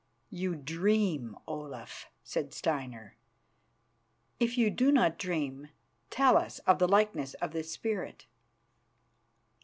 "You dream, Olaf," said Steinar. "If you do not dream, tell us of the likeness of this spirit."